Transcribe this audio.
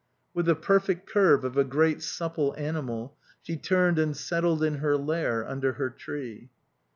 With the perfect curve of a great supple animal, she turned and settled in her lair, under her tree.